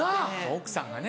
奥さんがね。